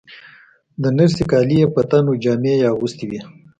د نرسې کالي یې په تن وو، جامې یې اغوستې وې.